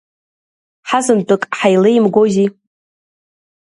Ҳазынтәык ҳаилеимгози.